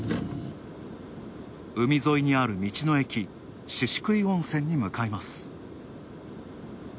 海沿いにある道の駅、宍喰温泉に向かいます。